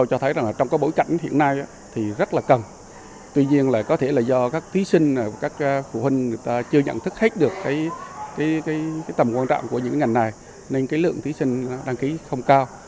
các thí sinh các phụ huynh chưa nhận thức khách được tầm quan trọng của những ngành này nên lượng thí sinh đăng ký không cao